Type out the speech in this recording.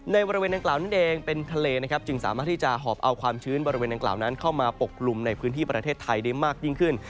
ในบริเวณตะวันนั้นเองเป็นทะเลจึงสามารถที่จะหอบเอาความชื้นบริเวณตะวันนั้นเข้ามาปกลุ่มในพื้นที่ประเทศไทยได้มากยิ่งขึ้น